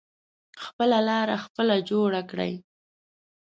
خپله لاره خپله جوړه کړی.